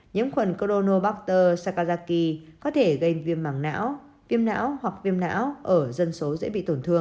nhiễm khuẩn chronobacter sakazaki có thể gây viêm mảng não viêm não hoặc viêm não ở dân số